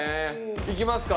いきますか？